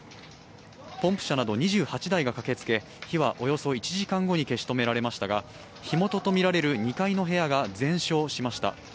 ポンプ車など２８台が駆けつけ火はおよそ１時間後に消し止められましたが火元とみられる２階の部屋が全焼しました。